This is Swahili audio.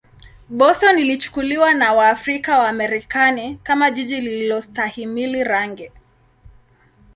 Boston ilichukuliwa na Waafrika-Wamarekani kama jiji lisilostahimili rangi.